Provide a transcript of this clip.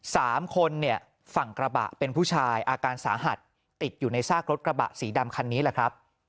สามคนเนี่ยฝั่งกระบะเป็นผู้ชายอาการสาหัสติดอยู่ในซากรถกระบะสีดำคันนี้แหละครับ